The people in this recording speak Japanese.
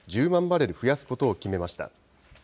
バレル増やすことを決めました。